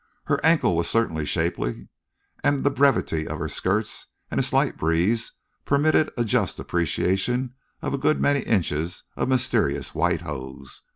Her ankle was certainly shapely, and the brevity of her skirts and a slight breeze permitted a just appreciation of a good many inches of mysterious white hose.